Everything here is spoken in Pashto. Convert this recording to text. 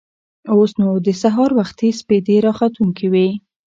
اوس نو د سهار وختي سپېدې راختونکې وې.